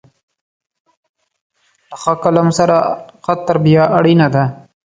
له ښه قلم سره، ښه تربیه اړینه ده.